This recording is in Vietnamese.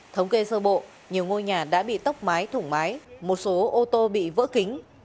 thống kê sơ bộ nhiều ngôi nhà đã bị tốc mái thủng mái một số ô tô bị vỡ kính